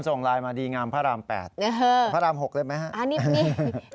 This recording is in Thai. ส่งมาดีงามพระรามแปดฮ่าพระรามหกเลยไหมฮะอ่านี่นี่